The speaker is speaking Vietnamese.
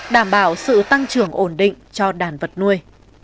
đảm bảo sự tăng trưởng ổn định cho đàn vật nuôi